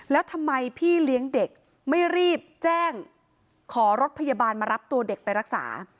แล้วทำไมพี่เลี้ยงเด็กไม่รีบแจ้งขอรถพยาบาลมารับตัวเด็กไปรักษา